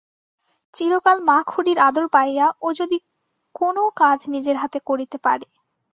চিরকাল মা-খুড়ির আদর পাইয়া ও যদি কোনো কাজ নিজের হাতে করিতে পারে।